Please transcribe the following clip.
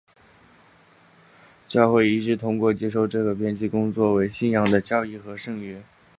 教会一致通过了接受这个编辑工作为信仰的教义和圣约。